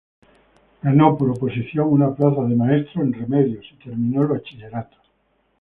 Ganó por oposición una plaza de maestro en Remedios y terminó el bachillerato.